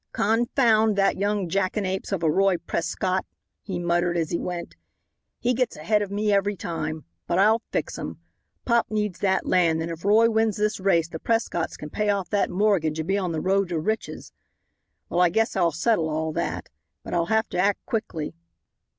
"Confound that young Jackanapes of a Roy Prescott," he muttered, as he went; "he gets ahead of me every time. But I'll fix him. Pop needs that land, and if Roy wins this race the Prescotts can pay off that mortgage and be on the road to riches. Well, I guess I'll settle all that. But I'll have to act quickly."